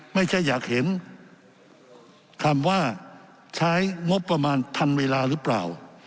ไม่ใช่อยากเห็นคำว่าใช้งบประมาณทันเวลาหรือเปล่า